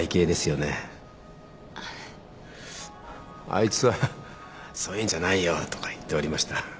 あいつはそういうんじゃないよとか言っておりました。